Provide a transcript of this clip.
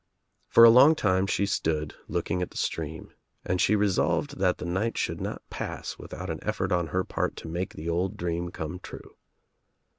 For a long time she stood looking at the stream and she resolved that the night should not pass without an e0ort on her part to make the old dream come true.